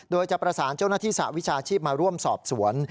โดยจะประสานเจ้าหน้าที่สหวิชาชีพมาร่วมสอบสวน